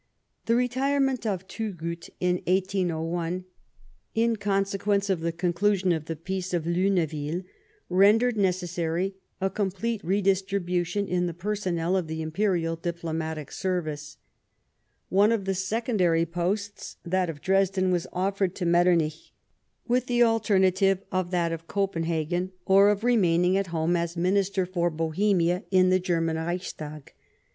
The retirement of Thugut in 1801 in consequence of the conclusion of the Peace of Luneville, rendered necessary a complete redistribution in the liersonnel of the Imperial diplomatic service. One of the secondary posts, that of Dresden, was offered to Metternich, with the alternative of that of Copenhagen, or of remaining at EABLY TB AWING. 9 home as Minister for Bohemia in the German Reichs tag.